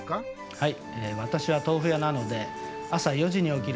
はい。